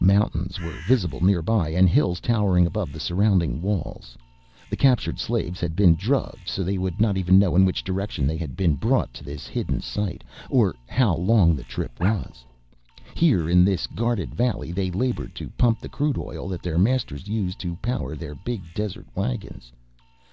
Mountains were visible nearby, and hills, towering above the surrounding walls. The captured slaves had been drugged so they would not even know in which direction they had been brought to this hidden site, or how long the trip was. Here in this guarded valley they labored to pump the crude oil that their masters used to power their big desert wagons.